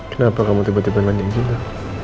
kenapa kamu tiba tiba nganjung cinta